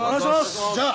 じゃあ。